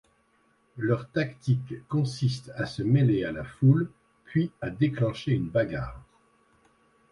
Leur tactique consiste à se mêler à la foule, puis à déclencher une bagarre.